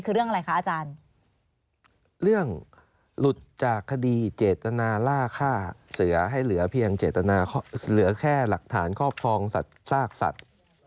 คือเรื่องอะไรคะอาจารย์